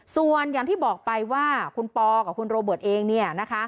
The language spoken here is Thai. ส่วนอย่างที่บอกไปว่าคุณปอกับคุณโรเบิร์ตเองเนี่ยนะคะ